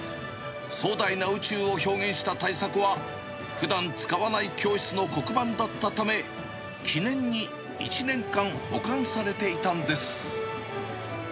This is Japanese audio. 壮大な宇宙を表現した大作は、ふだん使わない教室の黒板だったため、記念に１年間保管されていたんです。